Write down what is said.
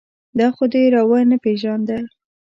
دا خو دې را و نه پېژانده.